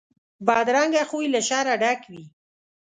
بدرنګه خوی له شره ډک وي